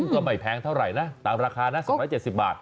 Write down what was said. ก็ไม่แพงเท่าไหร่นะตามราคานะ๒๗๐บาท